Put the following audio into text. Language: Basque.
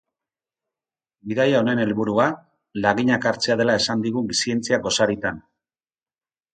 Bidaia honen helburua, laginak hartzea dela esan digu zientzia gosaritan.